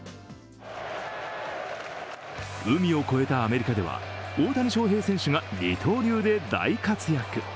海を越えたアメリカでは大谷翔平選手が二刀流で大活躍。